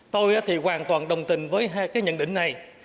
tôi thì hoàn toàn đồng tình với hai cái nhận định này